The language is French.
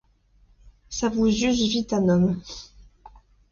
Ça vous use vite un homme.